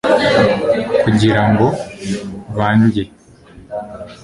kugira ngo bandye